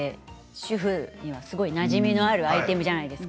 主婦には、すごいなじみのあるアイテムじゃないですか。